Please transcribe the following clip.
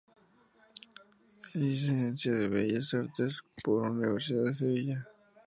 Es Licenciada en Bellas Artes por la Universidad de Sevilla.